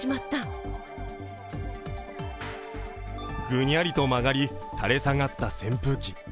ぐにゃりと曲がり垂れ下がった扇風機。